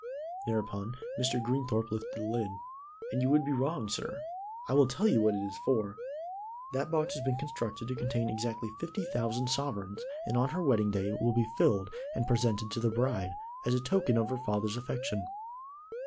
Thereupon Mr. Greenthorpe lifted the lid. "And you would be wrong, sir. I will tell you what it is for. That box has been constructed to contain exactly fifty thousand sovereigns and on her wedding day it will be filled, and presented to the bride, as a token of her father's affection.